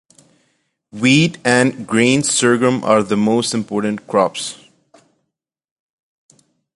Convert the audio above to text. Wheat and grain sorghum are the most important crops.